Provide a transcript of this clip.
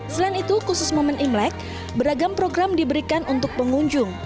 selain itu khusus momen imlek beragam program diberikan untuk pengunjung